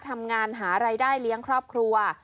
ทำงานหารายได้เลี้ยงครอบครัว